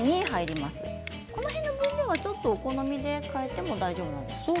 この辺の分量はお好みで変えてもいいんですよね。